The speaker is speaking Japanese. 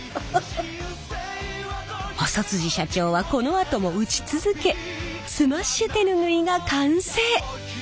細社長はこのあとも打ち続けスマッシュ手ぬぐいが完成。